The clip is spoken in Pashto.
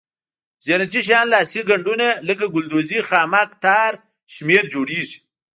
زینتي شیان لاسي ګنډونه لکه ګلدوزي خامک تار شمېر جوړیږي.